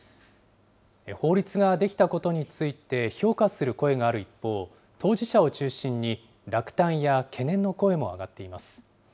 法律ができたことについて評価する声がある一方、当事者を中心に、落胆や懸念の声も上がっています。